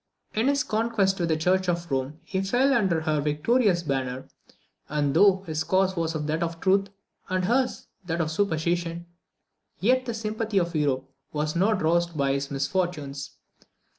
In his contest with the Church of Rome, he fell under her victorious banner; and though his cause was that of truth, and hers that of superstition, yet the sympathy of Europe was not roused by his misfortunes.